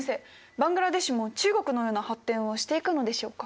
バングラデシュも中国のような発展をしていくのでしょうか？